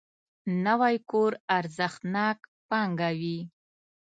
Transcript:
نوی کور ارزښتناک پانګه وي